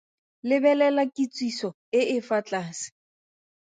Lebelela kitsiso e e fa tlase.